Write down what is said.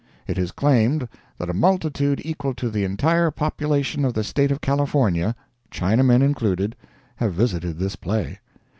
It is claimed that a multitude equal to the entire population of the State of California, Chinamen included, have visited this play.